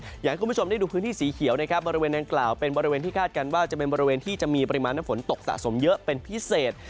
อยากให้คุณผู้ชมได้ดูพื้นที่สีเขียวนะครับบริเวณดังกล่าวเป็นบริเวณที่คาดการณ์ว่าจะเป็นบริเวณที่จะมีปริมาณน้ำฝนตกสะสมเยอะเป็นพิเศษ